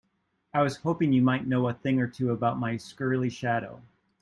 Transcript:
I was hoping you might know a thing or two about my surly shadow?